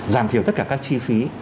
giảm thiểu tất cả các chi phí